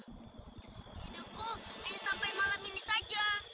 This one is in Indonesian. hidupku sampai malam ini saja